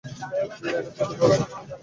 Drill এনে ফুটো করো।